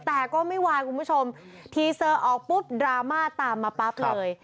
แต่ก็ไม่วายคุณผู้ชมทีเซอร์ออกปุ๊บดราม่าตามมาปั๊บเลย